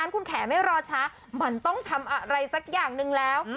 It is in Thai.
คุณแขไม่รอช้ามันต้องทำอะไรสักอย่างหนึ่งแล้ว